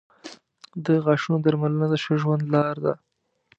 • د غاښونو درملنه د ښه ژوند لار ده.